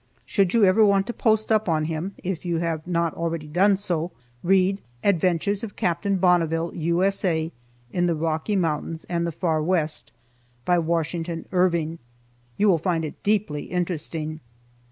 Should you ever want to post up on him (if you have not already done so), read "Adventures of Captain Bonneville, U.S.A., in the Rocky Mountains and the Far West," by Washington Irving. You will find it deeply interesting.